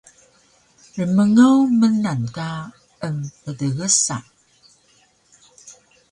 Rmngaw mnan ka emptgsa